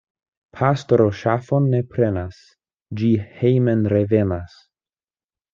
Pastro ŝafon ne prenas, ĝi hejmen revenas.